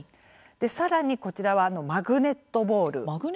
さらにこちらはマグネットボール。